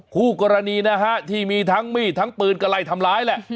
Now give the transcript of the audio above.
คู่กรณีนะฮะที่มีทั้งมีดทั้งปืนก็ไล่ทำร้ายแหละ